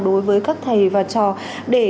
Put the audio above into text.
đối với các thầy và trò để